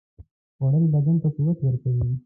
خوړل بدن ته قوت ورکوي